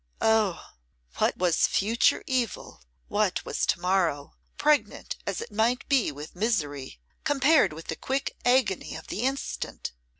Oh! what was future evil, what was tomorrow, pregnant as it might be with misery, compared with the quick agony of the instant?